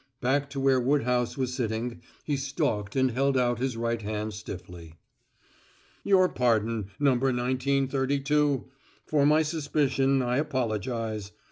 Back to where Woodhouse was sitting he stalked and held out his right hand stiffly. "Your pardon, Number Nineteen Thirty two! For my suspicion I apologize.